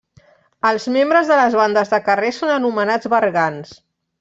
Els membres de les bandes de carrer són anomenats bergants.